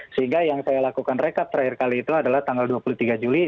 sehingga yang saya lakukan rekap terakhir kali itu adalah tanggal dua puluh tiga juli